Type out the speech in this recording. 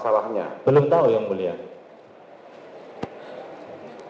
kalau saudara belum tau ada masalahnya apa